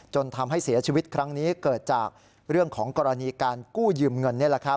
ทำให้เสียชีวิตครั้งนี้เกิดจากเรื่องของกรณีการกู้ยืมเงิน